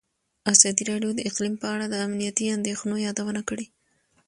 ازادي راډیو د اقلیم په اړه د امنیتي اندېښنو یادونه کړې.